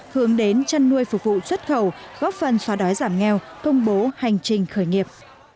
hướng đến chăn nuôi phục vụ xuất khẩu góp phần xóa đói giảm nghèo công bố hành trình khởi nghiệp